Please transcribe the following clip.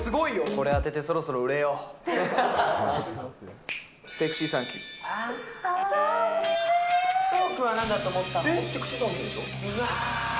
これ当ててそろそろ売れよう。